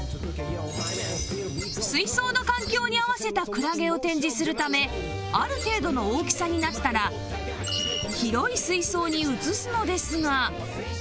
水槽の環境に合わせたクラゲを展示するためある程度の大きさになったら広い水槽に移すのですが